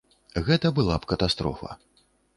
Гэта была б катастрофа.